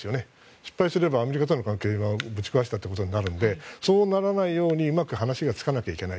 失敗するとアメリカとの関係がぶち壊しだという気持ちがあるのでそうならないようにうまく話をつかなきゃいけない。